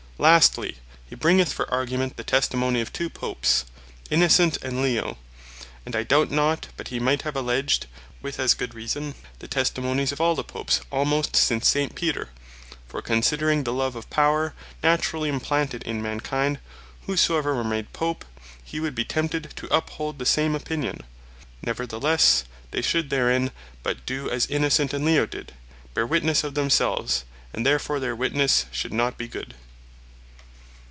Lastly, hee bringeth for argument, the testimony of two Popes, Innocent, and Leo; and I doubt not but hee might have alledged, with as good reason, the testimonies of all the Popes almost since S. Peter: For considering the love of Power naturally implanted in mankind, whosoever were made Pope, he would be tempted to uphold the same opinion. Neverthelesse, they should therein but doe, as Innocent, and Leo did, bear witnesse of themselves, and therefore their witness should not be good.